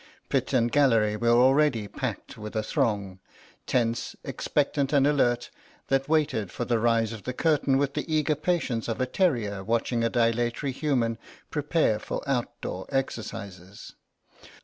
Pit and gallery were already packed with a throng, tense, expectant and alert, that waited for the rise of the curtain with the eager patience of a terrier watching a dilatory human prepare for outdoor exercises.